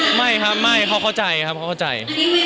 ว่าไม่ค่ะไม่ลอกเข้าใจครับเข้าใจ